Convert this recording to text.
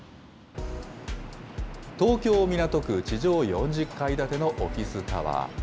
東京・港区、地上４０階建てのオフィスタワー。